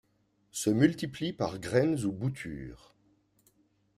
Se multiplie par graines ou boutures.